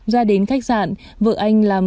ra đến khách sạn vợ anh làm